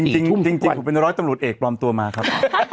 จริงผมเป็นร้อยตำรวจเอกปลอมตัวมาครับ